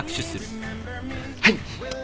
はい。